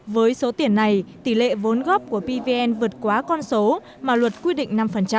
với số tiền này tỷ lệ vốn góp của pvn vượt quá con số mà luật quy định năm